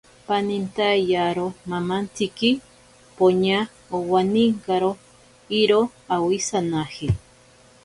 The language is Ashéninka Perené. Panintaiyaro mamantsiki poña owaninkaro iroo awisanaje.